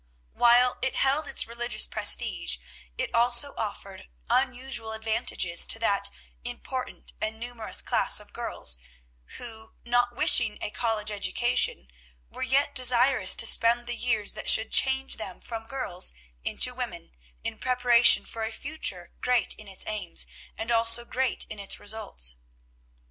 While it held its religious prestige, it also offered unusual advantages to that important and numerous class of girls who, not wishing a college education, were yet desirous to spend the years that should change them from girls into women in preparation for a future great in its aims, and also great in its results.